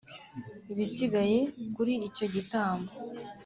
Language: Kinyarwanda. Ibisigaye kuri icyo gitambo